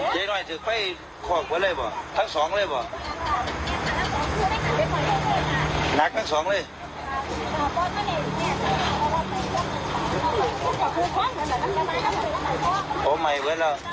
ก็ไม้ไว้แล้ว